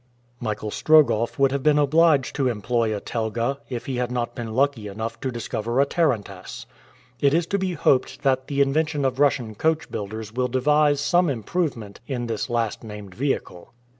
Michael Strogoff would have been obliged to employ a telga, if he had not been lucky enough to discover a tarantass. It is to be hoped that the invention of Russian coach builders will devise some improvement in this last named vehicle.